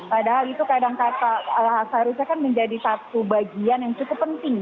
padahal itu kadang kadang seharusnya kan menjadi satu bagian yang cukup penting